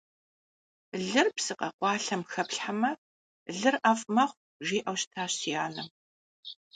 Лыр псы къэкъуалъэм хэплъхьэмэ – лыр ӀэфӀ мэхъу, жиӀэу щытащ си анэм.